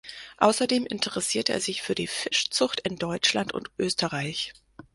Außerdem interessierte er sich für die Fischzucht in Deutschland und Österreich.